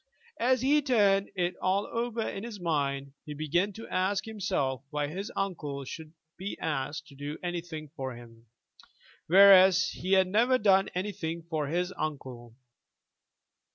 As he turned it all over in his mind he began to ask himself why his uncle should be asked to do anything for him, whereas he had never done anything for his uncle.